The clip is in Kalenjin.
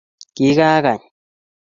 Kikakany